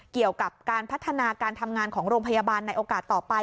เกี่ยวกับการพัฒนาการทำงานของโรงพยาบาลในโอกาสต่อไป